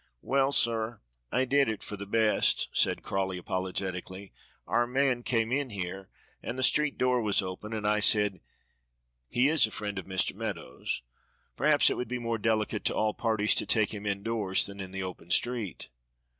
"Well, sir, I did it for the best," said Crawley apologetically. "Our man came in here, and the street door was open, and I said, 'He is a friend of Mr. Meadows, perhaps it would be more delicate to all parties to take him indoors than in the open street.'"